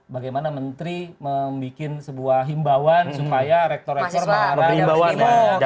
bagaimana menteri membuat sebuah himbauan supaya rektor rektor melarang